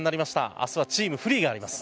明日はチームフリーがあります。